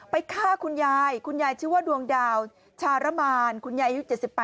ฆ่าคุณยายคุณยายชื่อว่าดวงดาวชารมานคุณยายอายุ๗๘